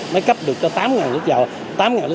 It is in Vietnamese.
mới cấp được tám ngàn lít xăng